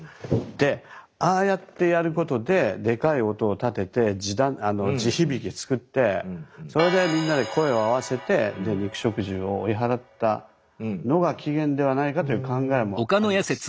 でああやってやることでデカい音を立てて地響き作ってそれでみんなで声を合わせて肉食獣を追い払ったのが起源ではないかという考えもあります。